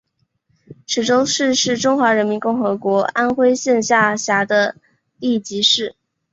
池州市是中华人民共和国安徽省下辖的地级市。